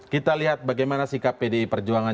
kita lihat bagaimana sikap pdi perjuangan